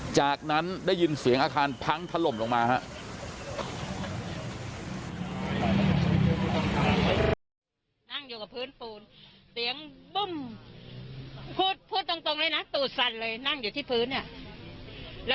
จากนั้นได้ยินเสียงอาคารพังถล่มลงมาครับ